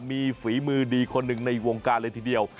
มีฝีมือดีคนหนึ่งในวงการเลยทีเดียว